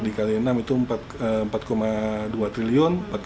dikali enam itu empat dua triliun